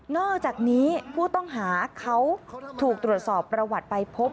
อกจากนี้ผู้ต้องหาเขาถูกตรวจสอบประวัติไปพบ